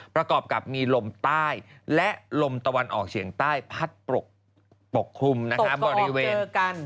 ประกอบกับมีลมใต้และลมตะวันออกเฉียงใต้พัดปกคลุมนะคะบริเวณ